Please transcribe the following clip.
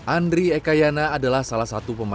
andre ekayana adalah salah satu pemerintah